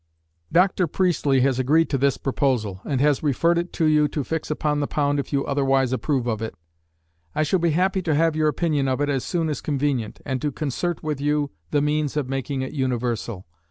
Dr. Priestley has agreed to this proposal, and has referred it to you to fix upon the pound if you otherwise approve of it. I shall be happy to have your opinion of it as soon as convenient, and to concert with you the means of making it universal....